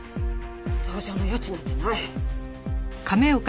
同情の余地なんてない。